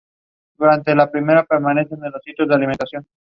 In flight, this species shows a black-tipped grey tail.